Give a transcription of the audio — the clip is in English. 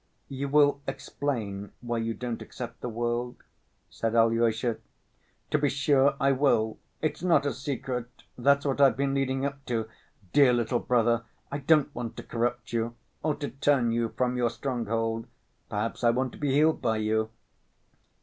"You will explain why you don't accept the world?" said Alyosha. "To be sure I will, it's not a secret, that's what I've been leading up to. Dear little brother, I don't want to corrupt you or to turn you from your stronghold, perhaps I want to be healed by you."